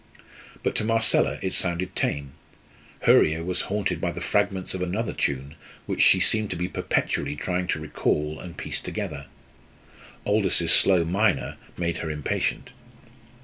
But to Marcella it sounded tame; her ear was haunted by the fragments of another tune which she seemed to be perpetually trying to recall and piece together. Aldous's slow minor made her impatient.